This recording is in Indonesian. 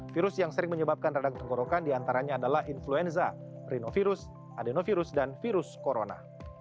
virus yang sering menyebabkan radang tenggorokan diantaranya adalah influenza rinovirus adenovirus dan virus corona